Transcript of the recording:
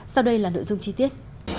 sau đây là nội dung chi tiết